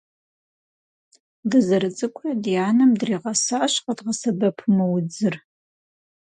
Дызэрыцӏыкӏурэ ди анэм дригъэсащ къэдгъэсэбэпу мы удзыр.